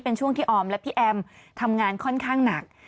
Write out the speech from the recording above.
เป็นช่วงที่ออมและพี่แอมทำงานค่อนข้างหนัก